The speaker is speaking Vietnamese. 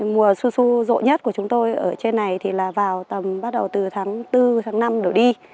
mùa su su rộ nhất của chúng tôi ở trên này thì là vào tầm bắt đầu từ tháng bốn tháng năm đổi đi